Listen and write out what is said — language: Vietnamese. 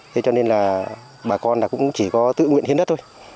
thế cho nên là bà con cũng chỉ có tự nguyện hiến đất thôi